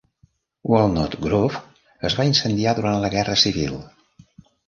Walnut Grove es va incendiar durant la guerra civil.